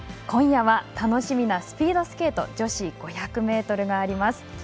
今夜は楽しみなスピードスケート女子５００ｍがあります。